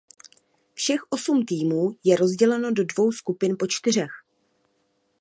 Všech osm týmů je rozděleno do dvou skupin po čtyřech.